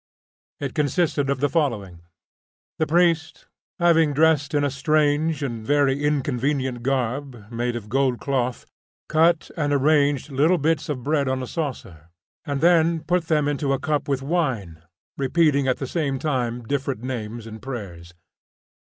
It consisted of the following. The priest, having dressed in a strange and very inconvenient garb, made of gold cloth, cut and arranged little bits of bread on a saucer, and then put them into a cup with wine, repeating at the same time different names and prayers.